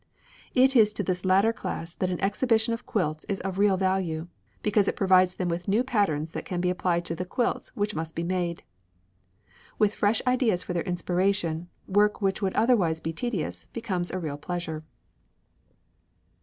It is to this latter class that an exhibition of quilts is of real value, because it provides them with new patterns that can be applied to the quilts which must be made. With fresh ideas for their inspiration, work which would otherwise be tedious becomes a real pleasure.